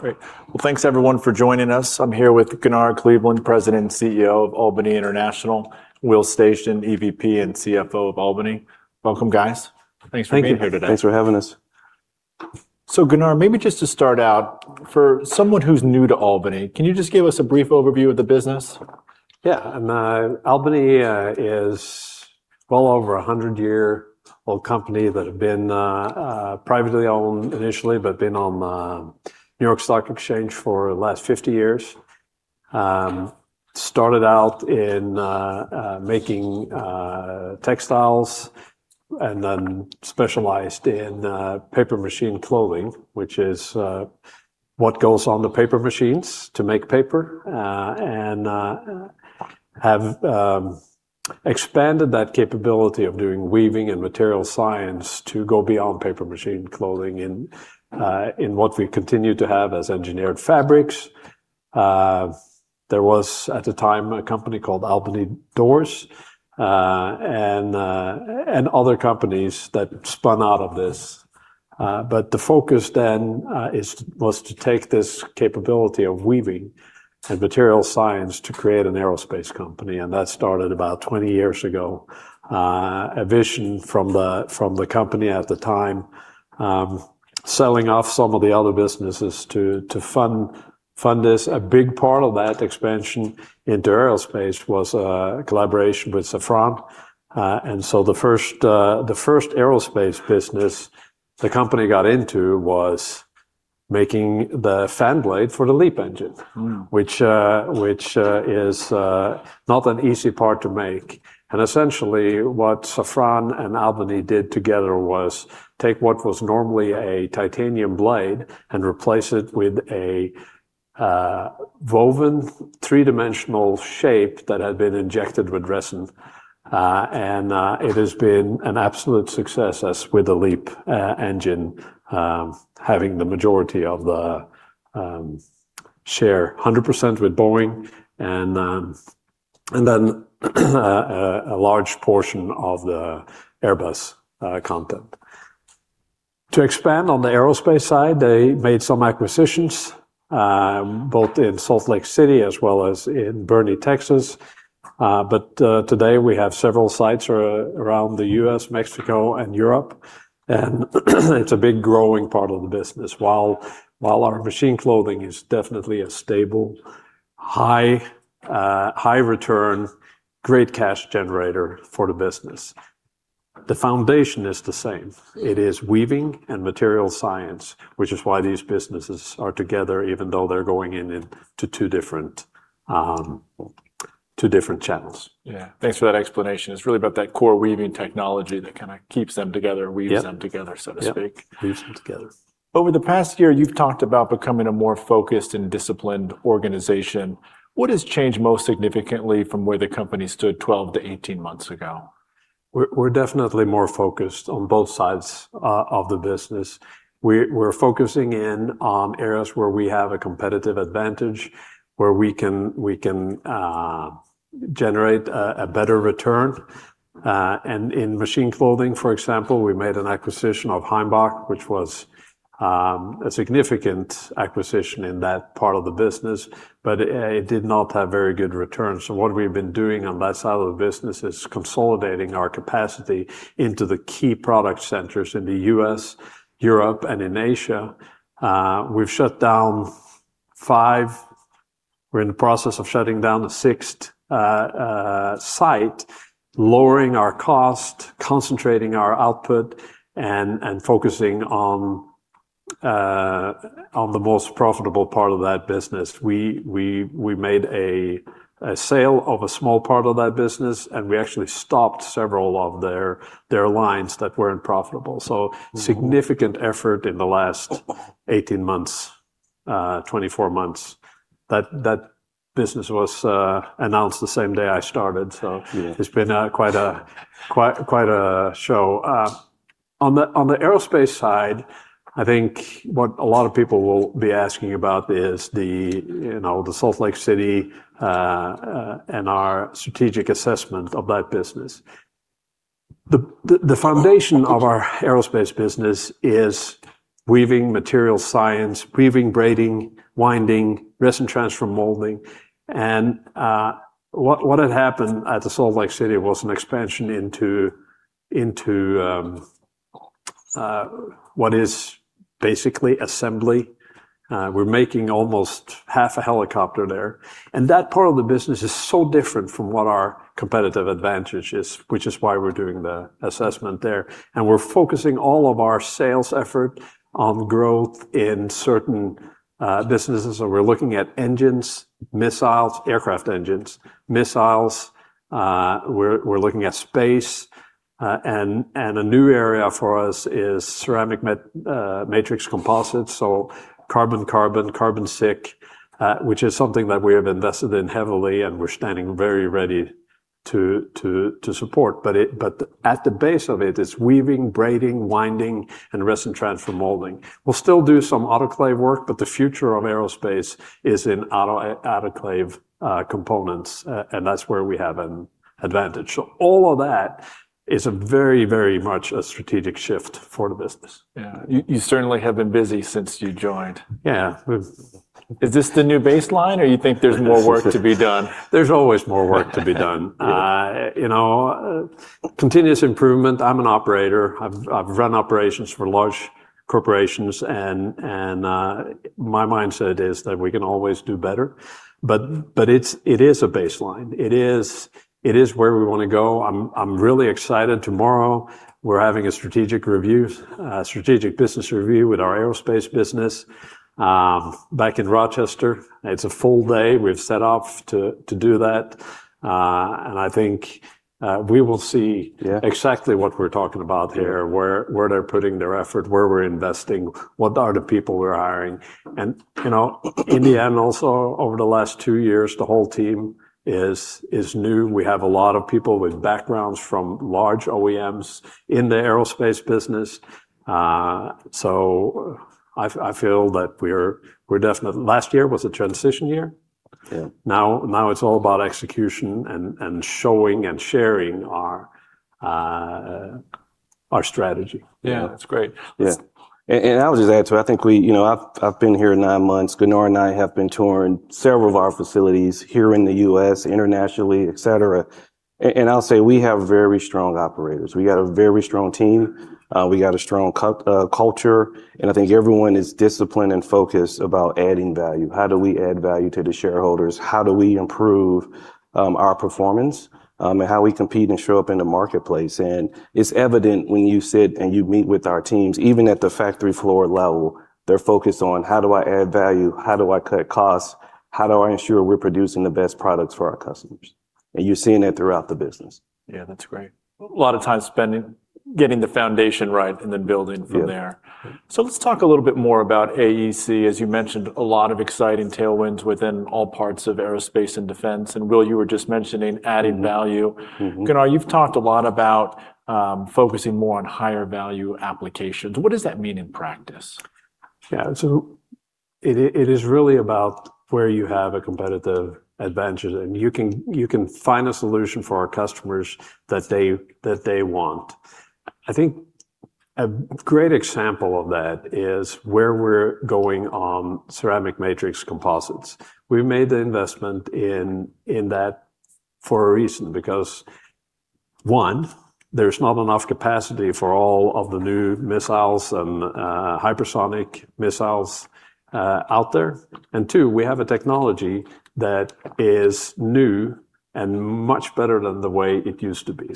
Great. Well, thanks everyone for joining us. I'm here with Gunnar Kleveland, President and CEO of Albany International. Will Station, EVP and CFO of Albany. Welcome, guys. Thanks for being here today. Thank you. Thanks for having us. Gunnar, maybe just to start out, for someone who's new to Albany, can you just give us a brief overview of the business? Yeah. Albany is well over a 100-year-old company that had been privately owned initially, but been on the New York Stock Exchange for the last 50 years. Started out in making textiles and then specialized in paper machine clothing, which is what goes on the paper machines to make paper, and have expanded that capability of doing weaving and material science to go beyond paper machine clothing in what we continue to have as Engineered Fabrics. There was, at the time, a company called Albany Doors, and other companies that spun out of this. The focus then was to take this capability of weaving and material science to create an aerospace company, and that started about 20 years ago. A vision from the company at the time, selling off some of the other businesses to fund this. A big part of that expansion into aerospace was a collaboration with Safran. The first aerospace business the company got into was making the fan blade for the LEAP engine. Which is not an easy part to make. Essentially what Safran and Albany did together was take what was normally a titanium blade and replace it with a woven three-dimensional shape that had been injected with resin. It has been an absolute success as with the LEAP engine, having the majority of the share, 100% with Boeing and then a large portion of the Airbus content. To expand on the aerospace side, they made some acquisitions, both in Salt Lake City as well as in Boerne, Texas. Today we have several sites around the U.S., Mexico, and Europe, and it's a big growing part of the business, while our machine clothing is definitely a stable, high return, great cash generator for the business. The foundation is the same. It is weaving and material science, which is why these businesses are together even though they're going into two different channels. Yeah. Thanks for that explanation. It's really about that core weaving technology that kind of keeps them together. Yep weaves them together, so to speak. Yep. Weaves them together. Over the past year, you've talked about becoming a more focused and disciplined organization. What has changed most significantly from where the company stood 12-18 months ago? We're definitely more focused on both sides of the business. We're focusing in on areas where we have a competitive advantage, where we can generate a better return. In paper machine clothing, for example, we made an acquisition of Heimbach, which was a significant acquisition in that part of the business. It did not have very good returns. What we've been doing on that side of the business is consolidating our capacity into the key product centers in the U.S., Europe, and in Asia. We've shut down five. We're in the process of shutting down a sixth site, lowering our cost, concentrating our output, and focusing on the most profitable part of that business. We made a sale of a small part of that business, and we actually stopped several of their lines that weren't profitable. significant effort in the last 18 months, 24 months. That business was announced the same day I started. Yeah It's been quite a show. On the aerospace side, I think what a lot of people will be asking about is the Salt Lake City, and our strategic assessment of that business. The foundation of our aerospace business is weaving material science, weaving, braiding, winding, resin transfer molding. What had happened at Salt Lake City was an expansion into what is basically assembly. We're making almost half a helicopter there, and that part of the business is so different from what our competitive advantage is, which is why we're doing the assessment there. We're focusing all of our sales effort on growth in certain businesses. We're looking at engines, missiles, aircraft engines, missiles. We're looking at space. A new area for us is ceramic matrix composites, carbon-carbon, carbon-SiC, which is something that we have invested in heavily, and we're standing very ready to support. At the base of it's weaving, braiding, winding, and resin transfer molding. We'll still do some out-of-autoclave work, but the future of aerospace is in out-of-autoclave components, and that's where we have an advantage. All of that is very much a strategic shift for the business. Yeah. You certainly have been busy since you joined. Yeah. Is this the new baseline, or you think there's more work to be done? There's always more work to be done. Yeah. Continuous improvement. I'm an operator. I've run operations for large corporations, my mindset is that we can always do better. It is a baseline. It is where we want to go. I'm really excited. Tomorrow we're having a strategic business review with our aerospace business back in Rochester. It's a full day. We've set off to do that. I think we will see. Yeah exactly what we're talking about here, where they're putting their effort, where we're investing, what are the people we're hiring. In the end, also over the last 2 years, the whole team is new. We have a lot of people with backgrounds from large OEMs in the aerospace business. I feel that last year was a transition year. Yeah. Now it's all about execution and showing and sharing our strategy. Yeah. That's great. Yeah. I would just add to it, I've been here nine months. Gunnar and I have been touring several of our facilities here in the U.S., internationally, et cetera. I'll say, we have very strong operators. We got a very strong team. We got a strong culture, I think everyone is disciplined and focused about adding value. How do we add value to the shareholders? How do we improve our performance? How we compete and show up in the marketplace. It's evident when you sit and you meet with our teams, even at the factory floor level, they're focused on how do I add value? How do I cut costs? How do I ensure we're producing the best products for our customers? You're seeing it throughout the business. Yeah. That's great. A lot of time spending getting the foundation right and then building from there. Yeah. Let's talk a little bit more about AEC. As you mentioned, a lot of exciting tailwinds within all parts of aerospace and Defense, and Will, you were just mentioning adding value. Gunnar, you've talked a lot about focusing more on higher value applications. What does that mean in practice? It is really about where you have a competitive advantage, and you can find a solution for our customers that they want. I think a great example of that is where we're going on ceramic matrix composites. We made the investment in that for a reason because, one, there's not enough capacity for all of the new missiles and hypersonic missiles out there. Two, we have a technology that is new and much better than the way it used to be.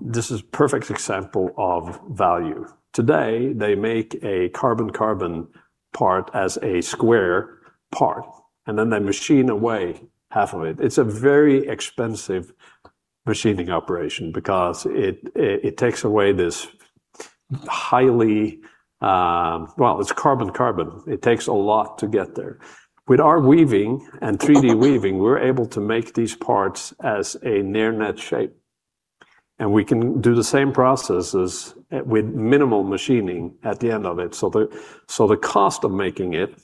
This is perfect example of value. Today, they make a carbon-carbon part as a square part, and then they machine away half of it. It's a very expensive machining operation because it takes away this Well, it's carbon-carbon. It takes a lot to get there. With our weaving and 3D weaving, we're able to make these parts as a near-net-shape, and we can do the same processes with minimal machining at the end of it. The cost of making it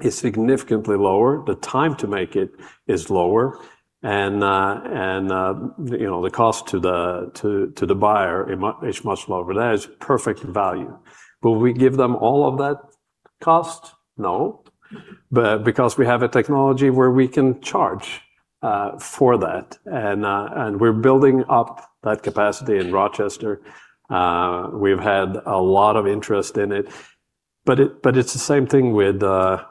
is significantly lower, the time to make it is lower, and the cost to the buyer is much lower. That is perfect value. Will we give them all of that cost? No, because we have a technology where we can charge for that, and we're building up that capacity in Rochester. It's the same thing with our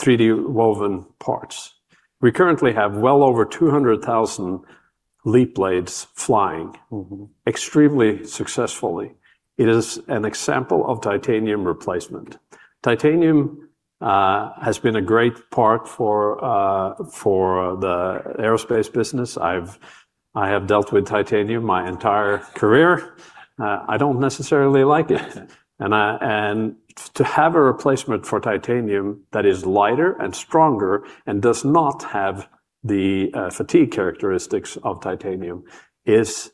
3D woven parts. We currently have well over 200,000 LEAP blades flying. extremely successfully. It is an example of titanium replacement. Titanium has been a great part for the aerospace business. I have dealt with titanium my entire career. I don't necessarily like it. To have a replacement for titanium that is lighter and stronger and does not have the fatigue characteristics of titanium is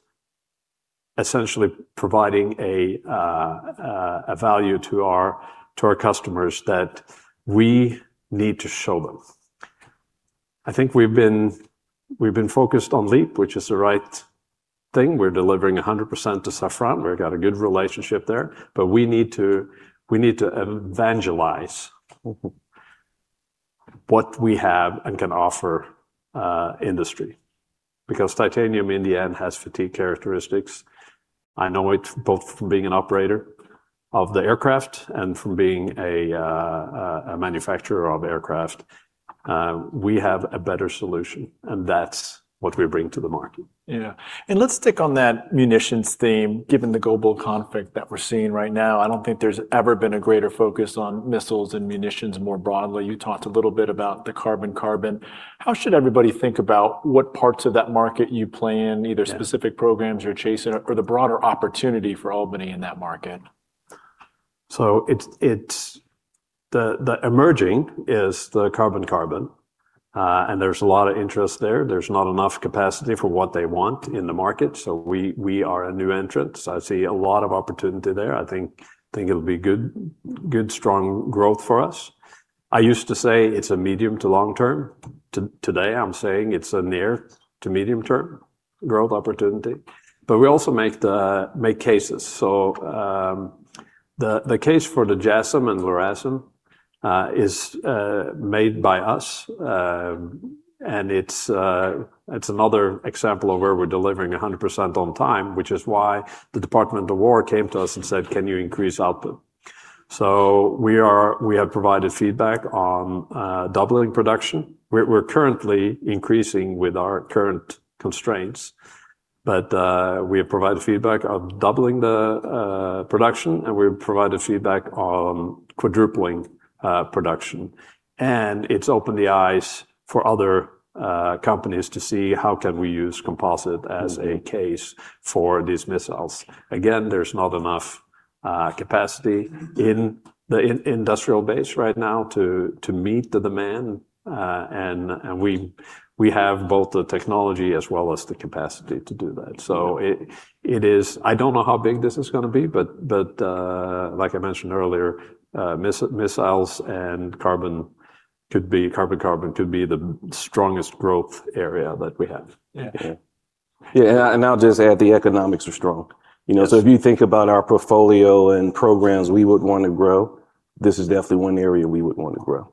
essentially providing a value to our customers that we need to show them. I think we've been focused on LEAP, which is the right thing. We're delivering 100% to Safran. We've got a good relationship there. We need to evangelize what we have and can offer industry, because titanium, in the end, has fatigue characteristics. I know it both from being an operator of the aircraft and from being a manufacturer of aircraft. We have a better solution, and that's what we bring to the market. Yeah. Let's stick on that munitions theme, given the global conflict that we're seeing right now. I don't think there's ever been a greater focus on missiles and munitions more broadly. You talked a little bit about the carbon-carbon. How should everybody think about what parts of that market you play in? Yeah Specific programs you're chasing or the broader opportunity for Albany in that market? The emerging is the carbon-carbon, and there's a lot of interest there. There's not enough capacity for what they want in the market, so we are a new entrant. I see a lot of opportunity there. I think it'll be good, strong growth for us. I used to say it's a medium to long-term. Today, I'm saying it's a near to medium-term growth opportunity. We also make cases. The case for the JASSM and LRASM is made by us, and it's another example of where we're delivering 100% on time, which is why the Department of Defense came to us and said, "Can you increase output?" We have provided feedback on doubling production. We're currently increasing with our current constraints, but we have provided feedback on doubling the production, and we've provided feedback on quadrupling production. It's opened the eyes for other companies to see how can we use composite as a case for these missiles. Again, there's not enough capacity in the industrial base right now to meet the demand. We have both the technology as well as the capacity to do that. I don't know how big this is going to be, but like I mentioned earlier, missiles and carbon-carbon could be the strongest growth area that we have. Yeah. Yeah. I'll just add, the economics are strong. Yes. If you think about our portfolio and programs we would want to grow, this is definitely one area we would want to grow.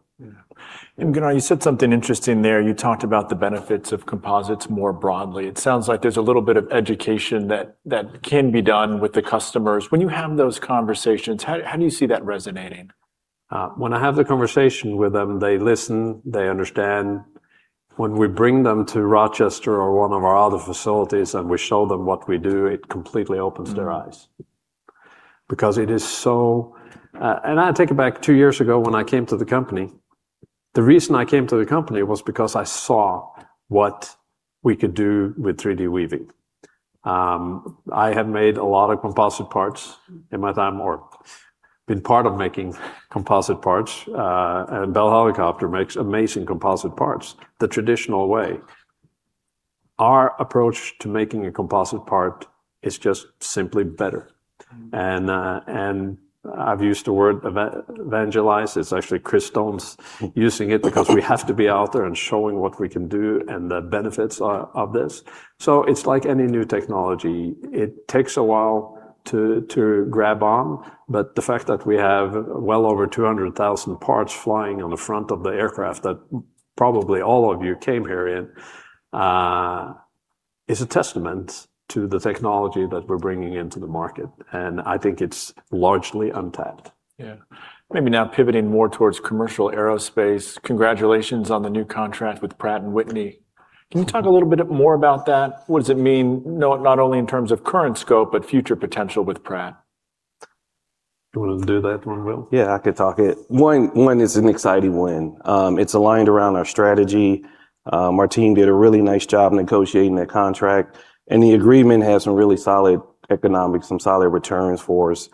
Yeah. Gunnar, you said something interesting there. You talked about the benefits of composites more broadly. It sounds like there's a little bit of education that can be done with the customers. When you have those conversations, how do you see that resonating? When I have the conversation with them, they listen, they understand. When we bring them to Rochester or one of our other facilities, and we show them what we do, it completely opens their eyes. I take it back 2 years ago when I came to the company, the reason I came to the company was because I saw what we could do with 3D weaving. I have made a lot of composite parts in my time, or been part of making composite parts. Bell Helicopter makes amazing composite parts the traditional way. Our approach to making a composite part is just simply better. I've used the word evangelize. It's actually Christopher Stone's using it because we have to be out there and showing what we can do and the benefits of this. It's like any new technology. It takes a while to grab on, but the fact that we have well over 200,000 parts flying on the front of the aircraft that probably all of you came here in, is a testament to the technology that we're bringing into the market. I think it's largely untapped. Yeah. Maybe now pivoting more towards commercial aerospace. Congratulations on the new contract with Pratt & Whitney. Can you talk a little bit more about that? What does it mean, not only in terms of current scope, but future potential with Pratt? You want to do that one, Will? Yeah, I could talk it. One, it's an exciting win. It's aligned around our strategy. Martine did a really nice job negotiating that contract, and the agreement has some really solid economics, some solid returns for us.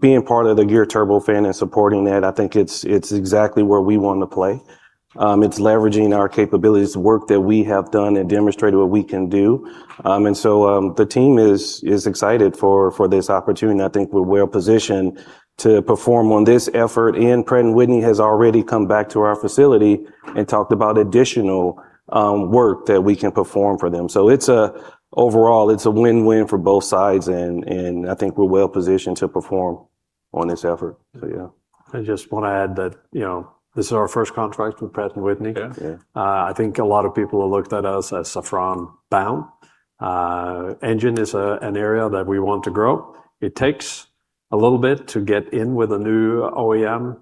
Being part of the geared turbofan and supporting that, I think it's exactly where we want to play. It's leveraging our capabilities, work that we have done, and demonstrated what we can do. The team is excited for this opportunity, and I think we're well positioned to perform on this effort. Pratt & Whitney has already come back to our facility and talked about additional work that we can perform for them. Overall, it's a win-win for both sides, and I think we're well positioned to perform on this effort. Yeah. I just want to add that this is our first contract with Pratt & Whitney. Yeah. Yeah. I think a lot of people have looked at us as Safran-bound. Engine is an area that we want to grow. It takes a little bit to get in with a new OEM.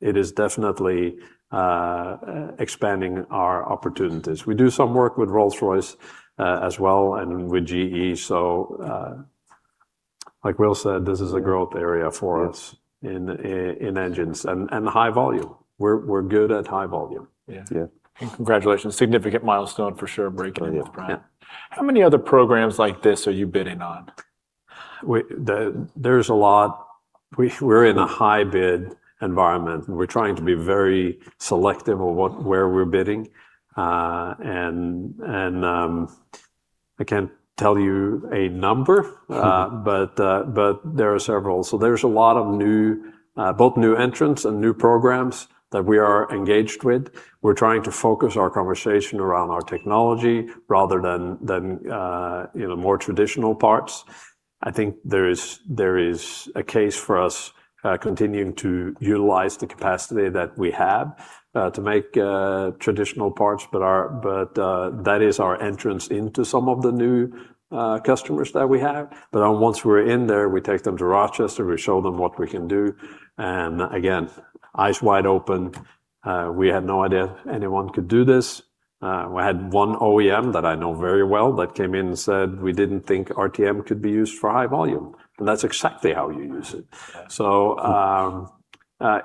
It is definitely expanding our opportunities. We do some work with Rolls-Royce, as well, and with GE. Like Will said, this is a growth area for us- Yes in engines. High-volume. We're good at high volume. Yeah. Yeah. Congratulations. Significant milestone, for sure, breaking in with Pratt. Yeah. How many other programs like this are you bidding on? There's a lot. We're in a high-bid environment, we're trying to be very selective of where we're bidding. I can't tell you. There are several. There's a lot of both new entrants and new programs that we are engaged with. We're trying to focus our conversation around our technology rather than more traditional parts. I think there is a case for us continuing to utilize the capacity that we have to make traditional parts, but that is our entrance into some of the new customers that we have. Once we're in there, we take them to Rochester, we show them what we can do, and again, eyes wide open. "We had no idea anyone could do this." We had one OEM that I know very well that came in and said, "We didn't think RTM could be used for high volume." That's exactly how you use it. Yeah.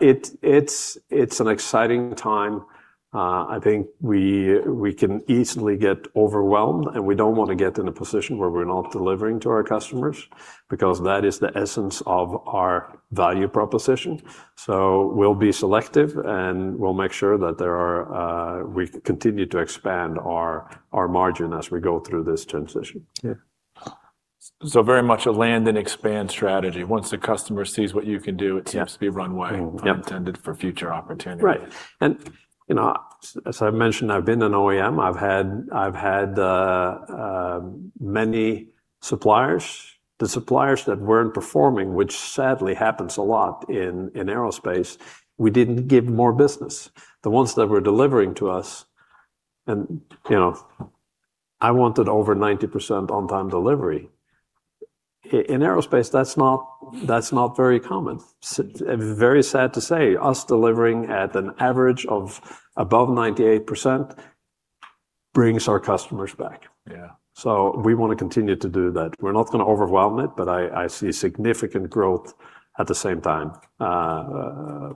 It's an exciting time. I think we can easily get overwhelmed, and we don't want to get in a position where we're not delivering to our customers, because that is the essence of our value proposition. We'll be selective, and we'll make sure that we continue to expand our margin as we go through this transition. Yeah. Very much a land and expand strategy. Once the customer sees what you can do- Yeah it seems to be runway- Yep intended for future opportunities. As I mentioned, I've been an OEM. I've had many suppliers. The suppliers that weren't performing, which sadly happens a lot in aerospace, we didn't give more business. The ones that were delivering to us and I wanted over 90% on-time delivery. In aerospace, that's not very common. Very sad to say, us delivering at an average of above 98% brings our customers back. Yeah. We want to continue to do that. We're not going to overwhelm it, but I see significant growth at the same time,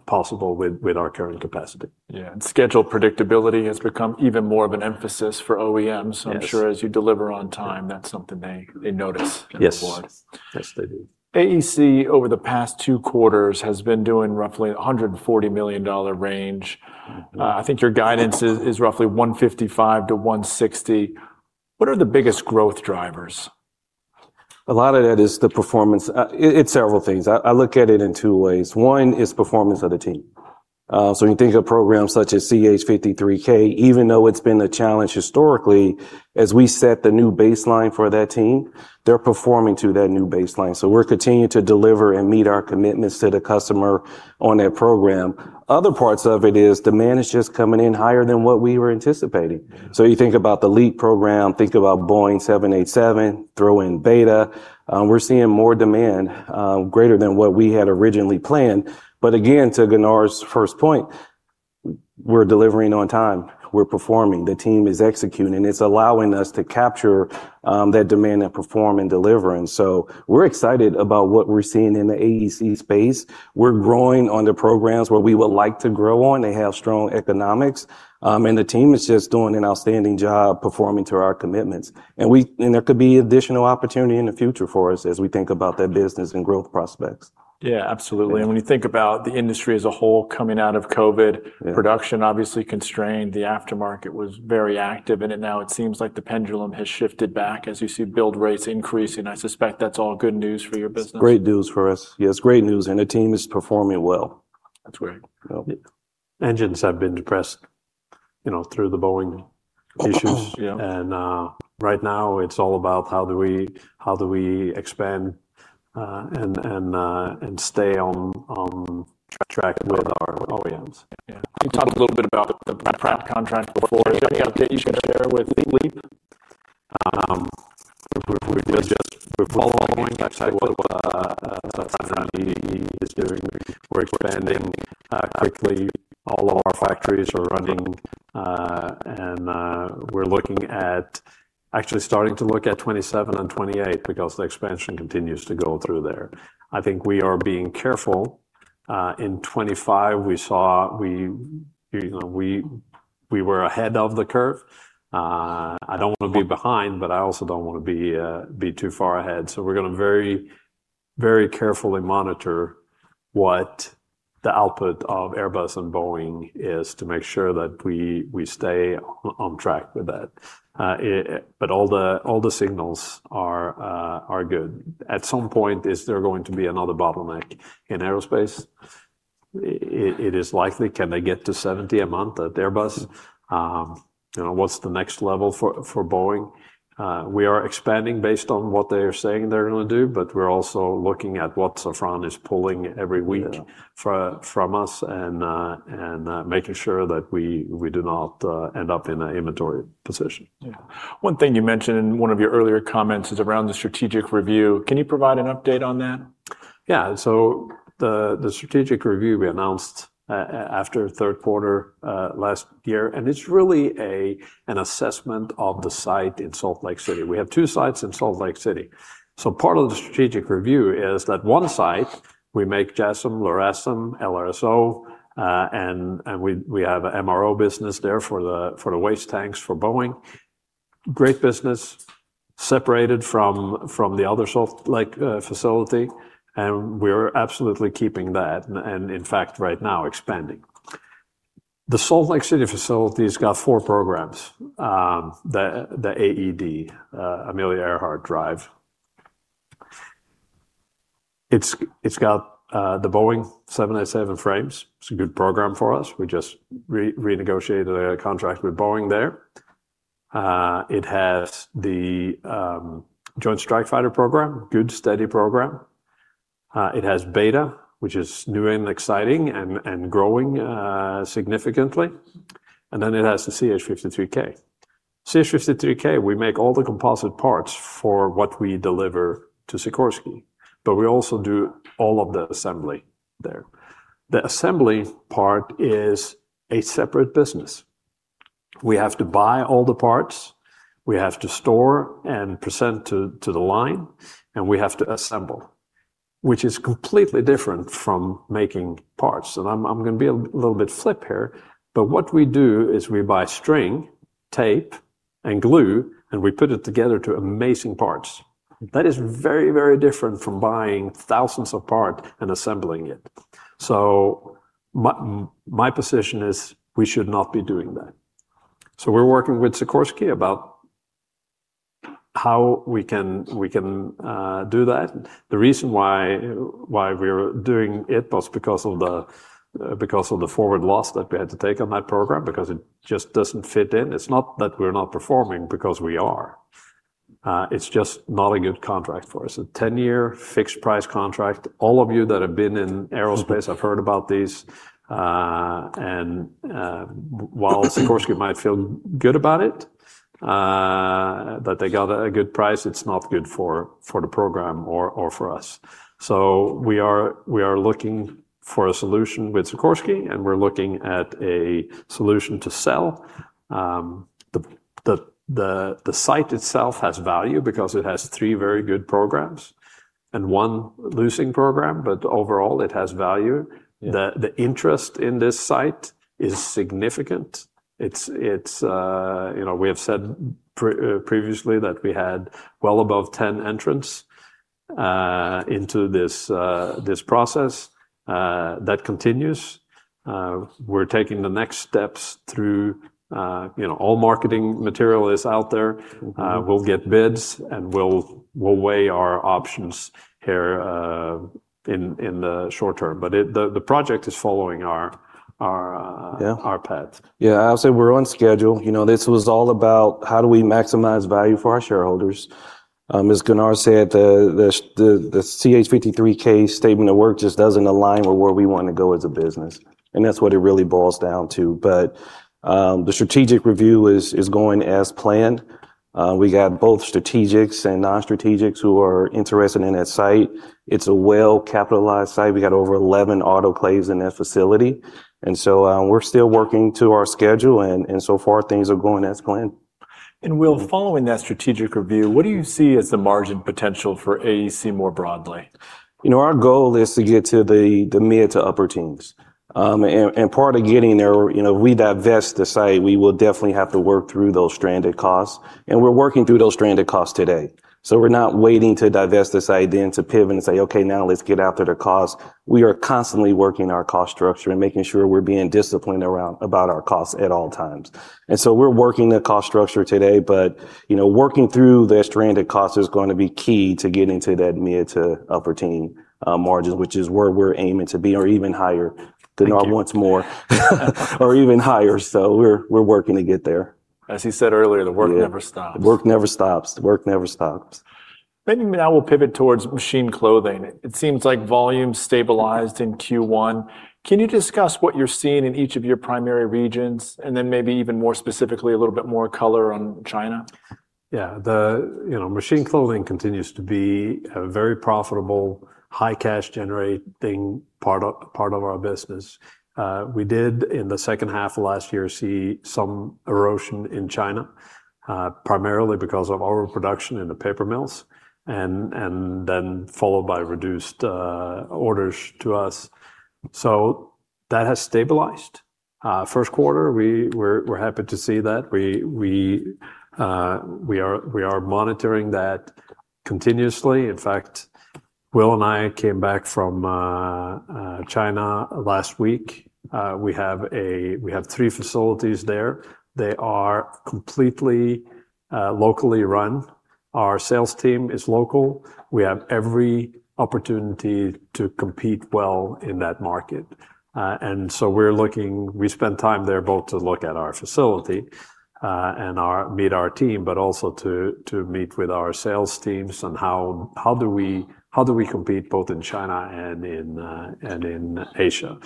possible with our current capacity. Yeah. Schedule predictability has become even more of an emphasis for OEMs. Yes. I'm sure as you deliver on time, that's something they notice. Yes award. Yes, they do. AEC, over the past two quarters, has been doing roughly $140 million range. I think your guidance is roughly $155 million-$160 million. What are the biggest growth drivers? A lot of that is the performance. It's several things. I look at it in two ways. One is performance of the team. When you think of programs such as CH-53K, even though it's been a challenge historically, as we set the new baseline for that team, they're performing to that new baseline. We're continuing to deliver and meet our commitments to the customer on that program. Other parts of it is demand is just coming in higher than what we were anticipating. You think about the LEAP program, think about Boeing 787, throw in BETA. We're seeing more demand, greater than what we had originally planned. Again, to Gunnar's first point, we're delivering on time. We're performing. The team is executing, and it's allowing us to capture that demand and perform and deliver. We're excited about what we're seeing in the AEC space. We're growing on the programs where we would like to grow on. They have strong economics. The team is just doing an outstanding job performing to our commitments. There could be additional opportunity in the future for us as we think about that business and growth prospects. Yeah, absolutely. When you think about the industry as a whole coming out of COVID- Yeah production obviously constrained. The aftermarket was very active, and now it seems like the pendulum has shifted back as you see build rates increasing. I suspect that's all good news for your business. It's great news for us. Yeah, it's great news, and the team is performing well. That's great. Yeah. Engines have been depressed through the Boeing issues. Yeah. Right now, it's all about how do we expand and stay on track with our OEMs. Yeah. You talked a little bit about the Pratt contract before. Is there any update you can share with LEAP? We're following exactly what Safran E&E is doing. We're expanding quickly. All of our factories are running. We're actually starting to look at 2027 and 2028 because the expansion continues to go through there. I think we are being careful. In 2025, we were ahead of the curve. I don't want to be behind, but I also don't want to be too far ahead. We're going to very carefully monitor what the output of Airbus and Boeing is to make sure that we stay on track with that. All the signals are good. At some point, is there going to be another bottleneck in aerospace? It is likely. Can they get to 70 a month at Airbus? What's the next level for Boeing? We are expanding based on what they are saying they're going to do, but we're also looking at what Safran is pulling every week. Yeah from us and making sure that we do not end up in an inventory position. One thing you mentioned in one of your earlier comments is around the strategic review. Can you provide an update on that? The strategic review we announced after third quarter last year, and it's really an assessment of the site in Salt Lake City. We have two sites in Salt Lake City. Part of the strategic review is that one site, we make JASSM, LRASM, LRSO, and we have an MRO business there for the waste tanks for Boeing. Great business, separated from the other Salt Lake facility, and we're absolutely keeping that, and in fact, right now expanding. The Salt Lake City facility's got four programs, the AED, Amelia Earhart Drive. It's got the Boeing 787 frames. It's a good program for us. We just renegotiated a contract with Boeing there. It has the Joint Strike Fighter program, good steady program. It has BETA, which is new and exciting and growing significantly. Then it has the CH-53K. CH-53K, we make all the composite parts for what we deliver to Sikorsky, but we also do all of the assembly there. The assembly part is a separate business. We have to buy all the parts, we have to store and present to the line, and we have to assemble, which is completely different from making parts. I'm going to be a little bit flip here, but what we do is we buy string, tape, and glue, and we put it together to amazing parts. That is very different from buying thousands of parts and assembling it. My position is we should not be doing that. We're working with Sikorsky about how we can do that. The reason why we're doing it was because of the forward loss that we had to take on that program because it just doesn't fit in. It's not that we're not performing, because we are. It's just not a good contract for us. A 10-year fixed price contract. All of you that have been in aerospace have heard about these. While Sikorsky might feel good about it, that they got a good price, it's not good for the program or for us. We are looking for a solution with Sikorsky, and we're looking at a solution to sell. The site itself has value because it has three very good programs and one losing program, but overall, it has value. Yeah. The interest in this site is significant. We have said previously that we had well above 10 entrants into this process. That continues. We're taking the next steps through. All marketing material is out there. We'll get bids, and we'll weigh our options here in the short term. The project is following our path. Yeah. I would say we're on schedule. This was all about how do we maximize value for our shareholders. As Gunnar said, the CH-53K statement of work just doesn't align with where we want to go as a business, and that's what it really boils down to. The strategic review is going as planned. We got both strategics and non-strategics who are interested in that site. It's a well-capitalized site. We got over 11 autoclaves in that facility, so we're still working to our schedule, and so far things are going as planned. Will, following that strategic review, what do you see as the margin potential for AEC more broadly? Our goal is to get to the mid to upper teens. Part of getting there, we divest the site, we will definitely have to work through those stranded costs, and we're working through those stranded costs today. We're not waiting to divest this idea and to pivot and say, "Okay, now let's get after the costs." We are constantly working our cost structure and making sure we're being disciplined about our costs at all times. We're working the cost structure today. Working through the stranded cost is going to be key to getting to that mid to upper teen margins, which is where we're aiming to be, or even higher. Thank you. To knock once more or even higher. We're working to get there. As he said earlier, the work never stops. The work never stops. The work never stops. Maybe now we'll pivot towards Machine Clothing. It seems like volume stabilized in Q1. Can you discuss what you're seeing in each of your primary regions, and then maybe even more specifically, a little bit more color on China? Yeah. Machine Clothing continues to be a very profitable, high cash-generating part of our business. We did, in the second half of last year, see some erosion in China, primarily because of our production in the paper mills, and then followed by reduced orders to us. That has stabilized. First quarter, we're happy to see that. We are monitoring that continuously. In fact, Will and I came back from China last week. We have three facilities there. They are completely locally run. Our sales team is local. We have every opportunity to compete well in that market. We spent time there both to look at our facility, and meet our team, but also to meet with our sales teams on how do we compete both in China and in Asia.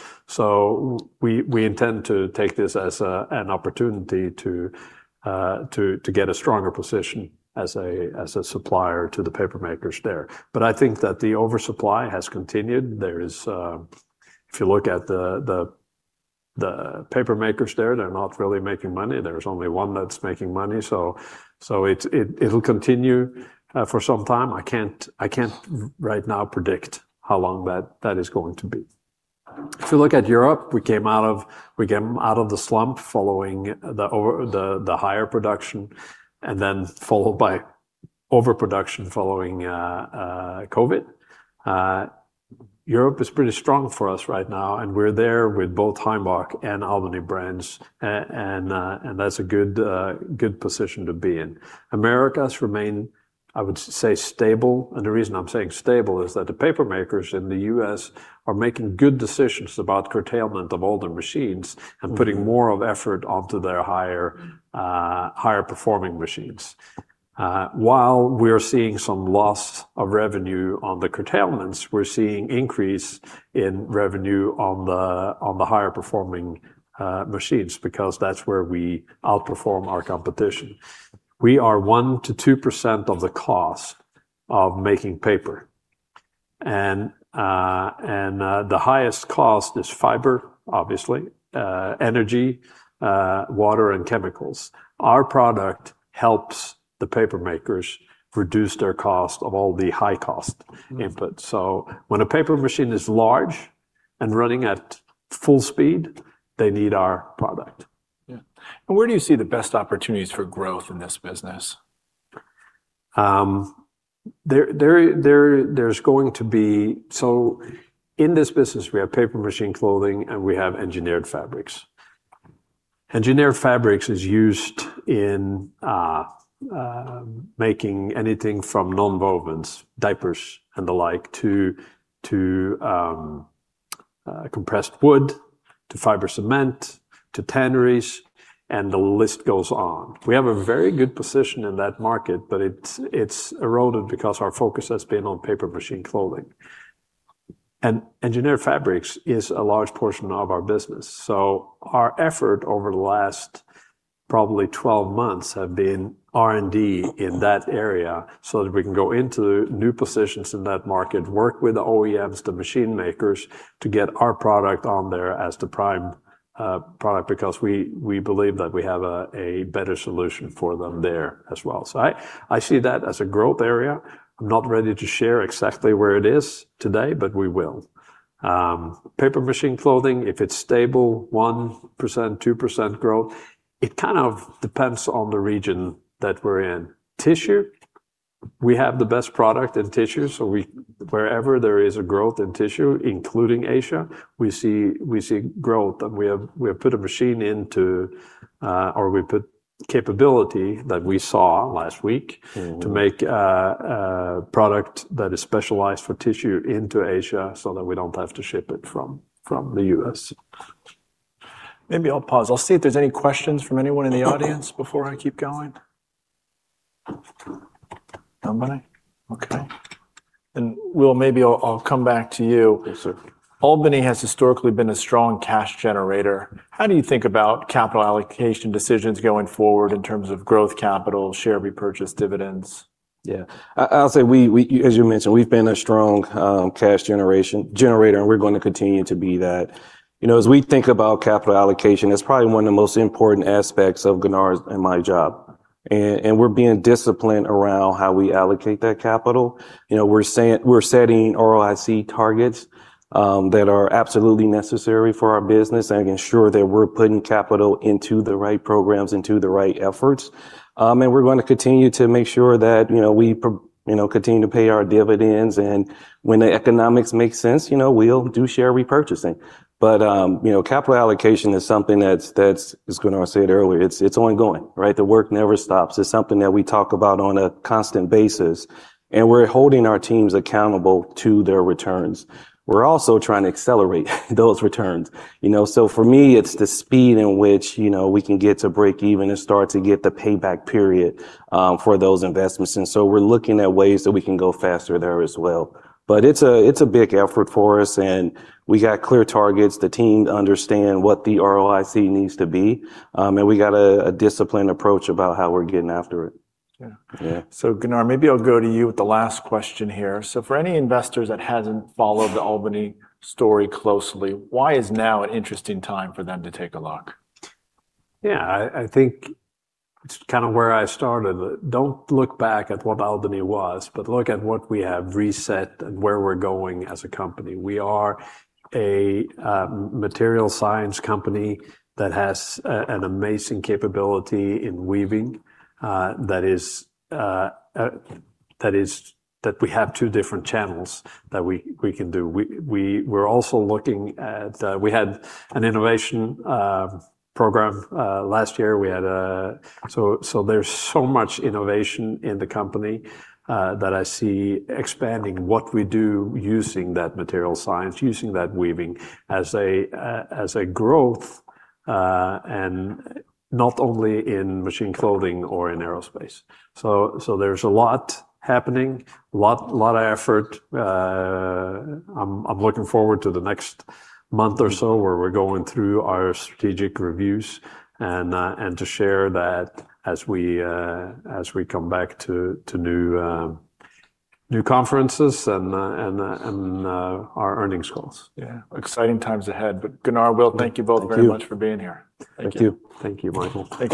We intend to take this as an opportunity to get a stronger position as a supplier to the paper makers there. I think that the oversupply has continued. If you look at the paper makers there, they're not really making money. There's only one that's making money. It'll continue for some time. I can't right now predict how long that is going to be. If you look at Europe, we came out of the slump following the higher production, and then followed by overproduction following COVID. Europe is pretty strong for us right now, and we're there with both Heimbach and Albany brands and that's a good position to be in. Americas remain, I would say, stable. The reason I'm saying stable is that the paper makers in the U.S. are making good decisions about curtailment of older machines and putting more of effort onto their higher performing machines. While we're seeing some loss of revenue on the curtailments, we're seeing increase in revenue on the higher performing machines, because that's where we outperform our competition. We are 1%-2% of the cost of making paper. The highest cost is fiber, obviously, energy, water, and chemicals. Our product helps the paper makers reduce their cost of all the high-cost input. When a paper machine is large and running at full speed, they need our product. Yeah. Where do you see the best opportunities for growth in this business? In this business, we have paper machine clothing, and we have Engineered Fabrics. Engineered Fabrics is used in making anything from nonwovens, diapers and the like, to compressed wood, to fiber cement, to tanneries, and the list goes on. We have a very good position in that market, but it's eroded because our focus has been on paper machine clothing. Engineered Fabrics is a large portion of our business, so our effort over the last probably 12 months have been R&D in that area, so that we can go into new positions in that market, work with the OEMs, the machine makers, to get our product on there as the prime product because we believe that we have a better solution for them there as well. I see that as a growth area. I'm not ready to share exactly where it is today, but we will. Paper machine clothing, if it's stable, 1%-2% growth. It kind of depends on the region that we're in. Tissue, we have the best product in tissue, wherever there is a growth in tissue, including Asia, we see growth. We put a machine into, or we put capability that we saw last week. to make a product that is specialized for tissue into Asia so that we don't have to ship it from the U.S. Maybe I'll pause. I'll see if there's any questions from anyone in the audience before I keep going. Nobody? Okay. Will, maybe I'll come back to you. Yes, sir. Albany has historically been a strong cash generator. How do you think about capital allocation decisions going forward in terms of growth capital, share repurchase, dividends? Yeah. I'll say, as you mentioned, we've been a strong cash generator, and we're going to continue to be that. As we think about capital allocation, it's probably one of the most important aspects of Gunnar's and my job. We're being disciplined around how we allocate that capital. We're setting ROIC targets that are absolutely necessary for our business and ensure that we're putting capital into the right programs, into the right efforts. We're going to continue to make sure that we continue to pay our dividends, and when the economics make sense, we'll do share repurchasing. Capital allocation is something that, as Gunnar was saying earlier, it's ongoing. Right? The work never stops. It's something that we talk about on a constant basis, and we're holding our teams accountable to their returns. We're also trying to accelerate those returns. For me, it's the speed in which we can get to breakeven and start to get the payback period for those investments. We're looking at ways that we can go faster there as well. It's a big effort for us, and we got clear targets. The team understand what the ROIC needs to be. We got a disciplined approach about how we're getting after it. Yeah. Yeah. Gunnar, maybe I'll go to you with the last question here. For any investors that hasn't followed the Albany story closely, why is now an interesting time for them to take a look? Yeah, I think it's kind of where I started. Don't look back at what Albany was, but look at what we have reset and where we're going as a company. We are a material science company that has an amazing capability in weaving, that we have two different channels that we can do. We had an innovation program last year. There's so much innovation in the company that I see expanding what we do using that material science, using that weaving as a growth, and not only in machine clothing or in aerospace. There's a lot happening, a lot of effort. I'm looking forward to the next month or so where we're going through our strategic reviews and to share that as we come back to new conferences and our earnings calls. Yeah. Exciting times ahead. Gunnar, Will, thank you both very much- Thank you for being here. Thank you. Thank you. Thank you, Michael.